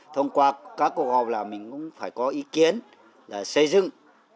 thông qua các cuộc họp là mình cũng phải có ý kiến là xây dựng